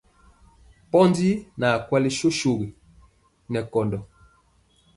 Pondi naa kwali sosogi nɛ kɔndɔ.